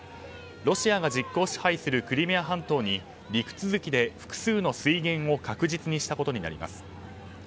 ロシアが実効支配するクリミア半島に陸続きで複数の水源を確実にしたことになります。